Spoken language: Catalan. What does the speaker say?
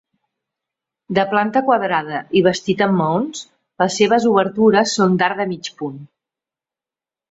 De planta quadrada i bastit amb maons, les seves obertures són d'arc de mig punt.